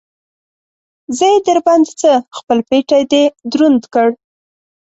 زه يې در باندې څه؟! خپل پټېی دې دروند کړ.